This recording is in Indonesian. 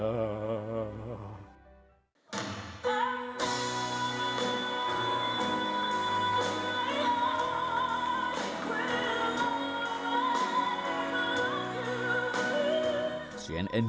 dan saya akan mencintaimu